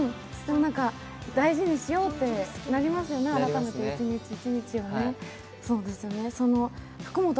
大事にしようってなりますよね、改めて一日一日をね。